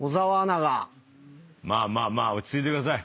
まあまあ落ち着いてください。